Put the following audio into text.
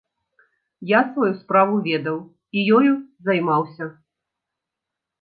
Я сваю справу ведаў і ёю займаўся.